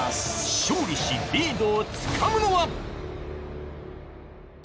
勝利しリードをつかむのは？